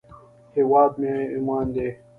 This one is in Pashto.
هېواد مو ایمان دی